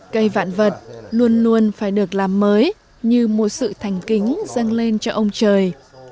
cây vạn vật luôn luôn phải được làm mới như một sự thành kính dâng lên cho ông trời